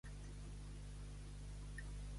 Prendre al revés.